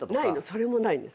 それもないんです。